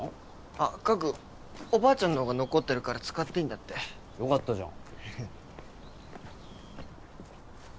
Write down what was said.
あっ家具おばあちゃんのが残ってるから使っていいんだってよかったじゃん